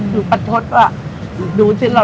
เราดูซึ่งนะ